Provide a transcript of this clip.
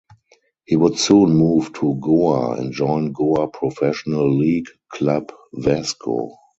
He would soon move to Goa and join Goa Professional League club Vasco.